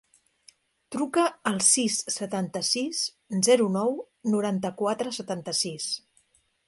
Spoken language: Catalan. Truca al sis, setanta-sis, zero, nou, noranta-quatre, setanta-sis.